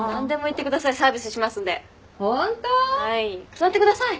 座ってください。